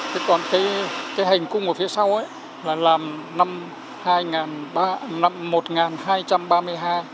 thế còn cái hành cung ở phía sau ấy là làm năm một nghìn hai trăm ba mươi hai